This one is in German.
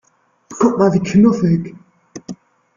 Guck mal, wie knuffig!